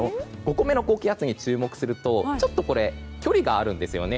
５個目の高気圧に注目すると距離があるんですよね。